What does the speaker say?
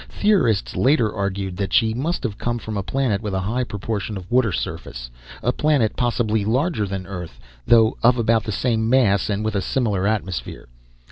Theorists later argued that she must have come from a planet with a high proportion of water surface, a planet possibly larger than Earth though of about the same mass and with a similar atmosphere.